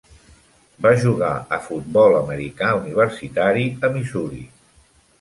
Va jugar a futbol americà universitari a Missouri.